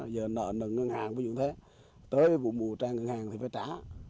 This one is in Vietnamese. giờ nợ nâng ngân hàng tới vụ mùa trang ngân hàng thì phải trả